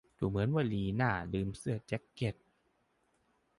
ดูเหมือนว่าลีน่าลืมเสื้อแจ๊คเก็ต